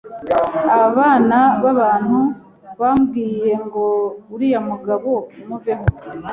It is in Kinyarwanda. abana b’abantu bambwiyengo uriya mugabo muveho